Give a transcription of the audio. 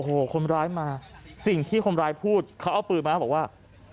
โอ้โหคนร้ายมาสิ่งที่คนร้ายพูดเขาเอาปืนมาบอกว่า